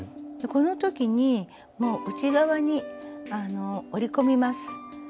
この時にもう内側に折り込みます。